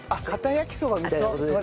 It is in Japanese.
焼きそばみたいな事ですか？